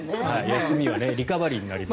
休みはリカバリーになります。